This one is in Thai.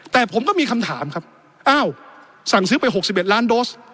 แต่ผมก็มีคำถามครับอ้าวสั่งซื้อไป๖๑ล้านโดส